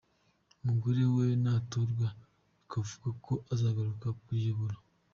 Umugore we natorwa bikavugwa ko azagaruka kuyiyobora.